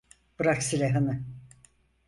Bırak silahını!